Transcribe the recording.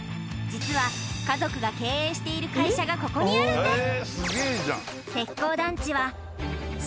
実は家族が経営している会社がここにあるんです